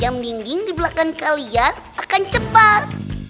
jam dinding di belakang kalian akan cepat